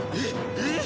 えっ？